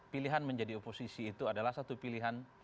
pilihan menjadi oposisi itu adalah satu pilihan